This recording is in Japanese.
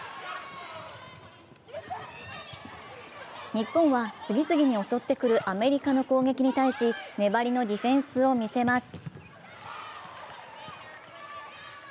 日本は次々に襲ってくるアメリカの攻撃に対し粘りのディフェンスを見せます。